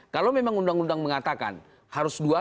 kalau memang undang undang mengatakan harus dua